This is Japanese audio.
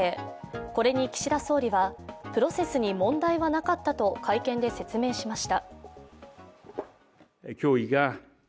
これに岸田総理はプロセスに問題はなかったと会見で説明しました。